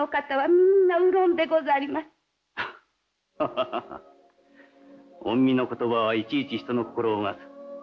ハハハ御身の言葉はいちいち人の心をうがつ。